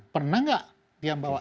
pernah nggak dia bawa